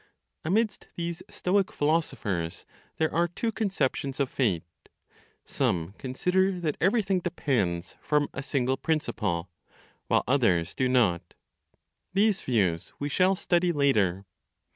Amidst these (Stoic) philosophers there are two conceptions of Fate: some consider that everything depends from a single principle, while others do not. These views we shall study later.